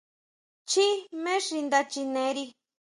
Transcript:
Chjí jmé xi nda chineri.